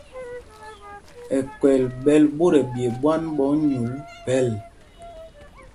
Ɛkɛl ɓɛ́l ɓot ɛɓye ɓwán ɓɛ onyûl phɛl.